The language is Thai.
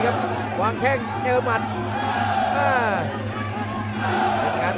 โอ้โหมันเป็นชุดนะครับ